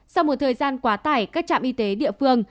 sau một thời gian quá tải các trạm y tế địa phương